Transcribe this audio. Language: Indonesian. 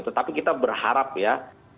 tetapi kita berharap ya